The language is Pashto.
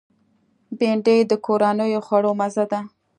بېنډۍ د کورنیو خوړو مزه ده